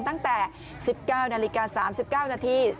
ตั้งแต่๑๙นาฬิกา๓๙นาที